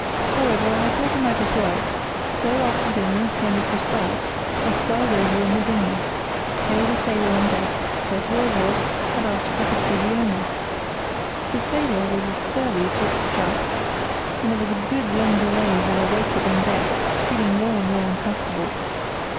However, I thought I might as well; so, after dinner, when it was dark, I sculled over in the dinghy, hailed a sailor on deck, said who I was, and asked if I could see the owner. The sailor was a surly sort of chap, and there was a good long delay while I waited on deck, feeling more and more uncomfortable.